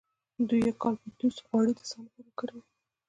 د یوکالیپټوس غوړي د ساه لپاره وکاروئ